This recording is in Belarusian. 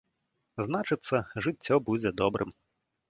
Значыцца, жыццё будзе добрым.